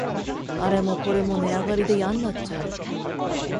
あれもこれも値上がりでやんなっちゃう